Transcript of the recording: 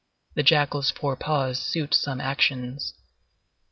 The jackal's four paws suit some actions.